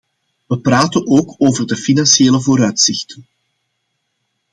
We praten ook over de financiële vooruitzichten.